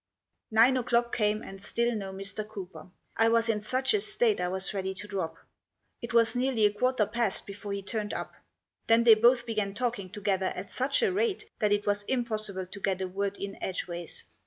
Nine o'clock came and still no Mr. Cooper. I was in such a state I was ready to drop. It was nearly a quarter past before he turned up. Then they both began talking together at such a rate that it was impossible to get a word in edgeways.